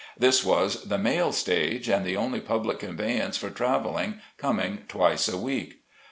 This was the mail stage, and the only public conveyance for travelling, coming twice a week.